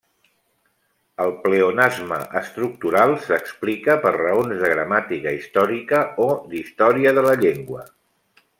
El pleonasme estructural s'explica per raons de gramàtica històrica o d'història de la llengua.